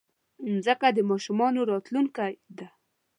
مځکه د ماشومانو راتلونکی ده.